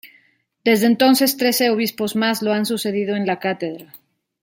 Desde entonces trece obispos más lo han sucedido en la Cátedra.